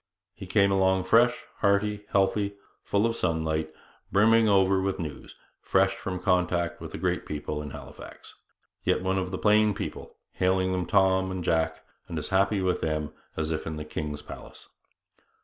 He came along fresh, hearty, healthy, full of sunlight, brimming over with news, fresh from contact with the great people in Halifax, yet one of the plain people, hailing them Tom and Jack, and as happy with them as if in the king's palace.